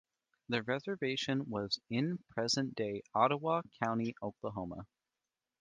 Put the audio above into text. The reservation was in present-day Ottawa County, Oklahoma.